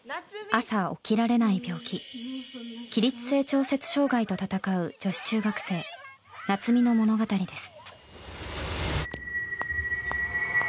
朝、起きられない病気起立性調節障害と闘う女子中学生夏実の物語です。